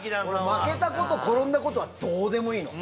負けたこと、転んだことはどうでもいいの。